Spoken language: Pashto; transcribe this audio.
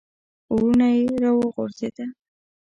ورونه یې را وغورځېده.